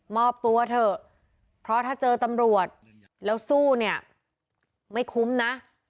อบตัวเถอะเพราะถ้าเจอตำรวจแล้วสู้เนี่ยไม่คุ้มนะ